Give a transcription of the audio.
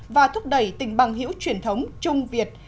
và thúc đẩy tình bằng hữu truyền thống trung việt